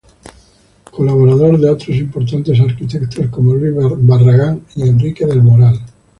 Colaborador de otros importantes arquitectos como Luis Barragán y Enrique del Moral.